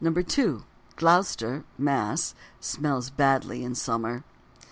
Gloucester (Mass.) smells badly in summer.